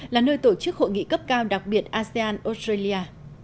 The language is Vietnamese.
là nơi tổ chức hội nghị cấp cao đặc biệt asean australia